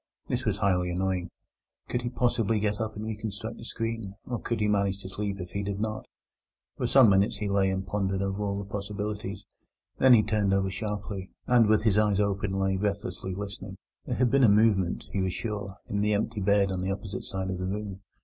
This was highly annoying. Could he possibly get up and reconstruct the screen? or could he manage to sleep if he did not? For some minutes he lay and pondered over the possibilities; then he turned over sharply, and with his eyes open lay breathlessly listening. There had been a movement, he was sure, in the empty bed on the opposite side of the room.